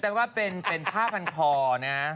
แต่ว่าเป็นภาพคันคอนะ